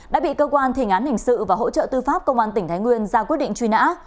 đã bị cơ quan thiền án hình sự và hỗ trợ tư pháp công an tỉnh thái nguyên ra quyết định truy nã